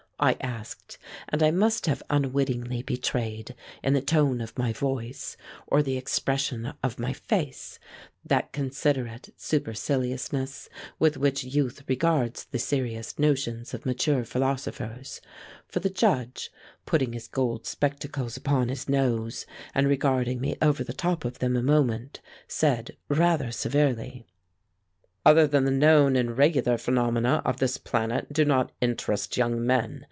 I asked, and I must have unwittingly betrayed in the tone of my voice, or the expression of my face, that considerate superciliousness with which youth regards the serious notions of mature philosophers, for the Judge, putting his gold spectacles upon his nose, and regarding me over the top of them a moment, said rather severely: "Other than the known and regular phenomena of this planet do not interest young men.